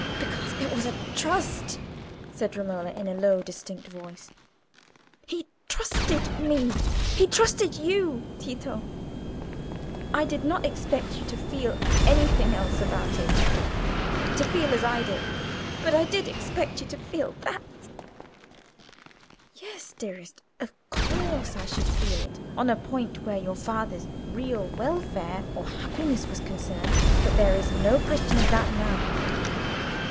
"Because it was a trust," said Romola, in a low but distinct voice. "He trusted me, he trusted you, Tito. I did not expect you to feel anything else about it—to feel as I do—but I did expect you to feel that." "Yes, dearest, of course I should feel it on a point where your father's real welfare or happiness was concerned; but there is no question of that now.